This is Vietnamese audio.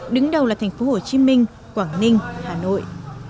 đứng đầu là thành phố hồ chí minh quảng ninh hà nội